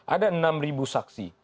ada enam ribu saksi